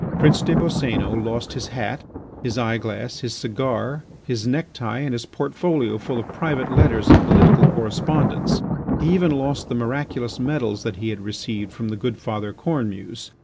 Prince des Boscénos lost his hat, his eye glass, his cigar, his necktie, and his portfolio full of private letters and political correspondence; he even lost the miraculous medals that he had received from the good Father Cornemuse.